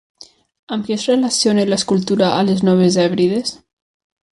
Amb què es relaciona l'escultura a les Noves Hèbrides?